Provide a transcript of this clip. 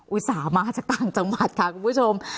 อุตส่าห์มาจากต่างจังหวัดค่ะคุณผู้ชม